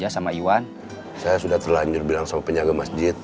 saya akan berbicara dengan penyaga masjid